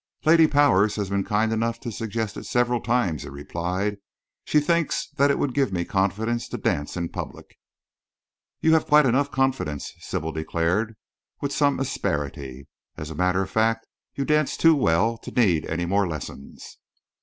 "Lady Powers has been kind enough to suggest it several times," he replied. "She thinks that it would give me confidence to dance in public." "You have quite enough confidence," Sybil declared, with some asperity, "and as a matter of fact you dance too well to need any more lessons."